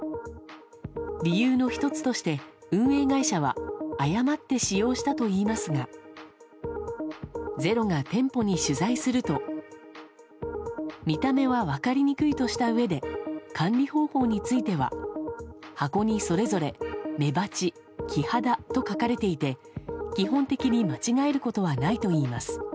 理由の１つとして運営会社は誤って使用したといいますが「ｚｅｒｏ」が店舗に取材すると見た目は分かりにくいとしたうえで管理方法については箱にそれぞれ「めばち」「キハダ」と書かれていて基本的に間違えることはないといいます。